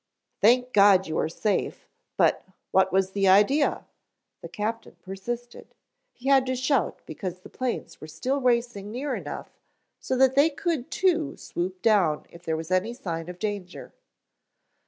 "Thank God you are safe, but, what was the idea?" the captain persisted. He had to shout because the planes were still racing near enough so that they too could swoop down if there was any sign of danger.